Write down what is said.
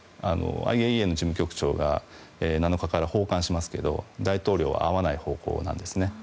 ＩＡＥＡの事務局長が７日から訪韓しますが大統領は会わない方向なんです。